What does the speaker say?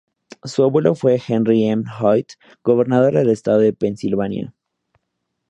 Su abuelo fue Henry M. Hoyt, gobernador del estado de Pensilvania.